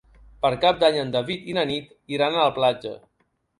Per Cap d'Any en David i na Nit iran a la platja.